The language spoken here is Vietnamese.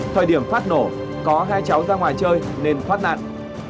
thời điểm phát nổ có hai cháu ra ngoài chơi nên phát nặng